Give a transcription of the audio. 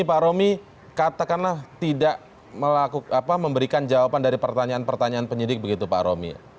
pak romi katakanlah tidak memberikan jawaban dari pertanyaan pertanyaan penyidik begitu pak romi